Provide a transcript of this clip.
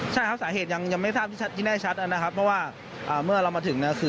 ใช่ครับสาเหตุยังไม่ทราบที่แน่ชัดนะครับเพราะว่าเมื่อเรามาถึงเนี่ยคือ